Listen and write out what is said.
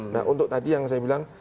nah untuk tadi yang saya bilang